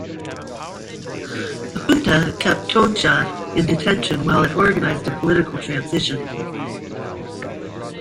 The junta kept Tandja in detention while it organized a political transition.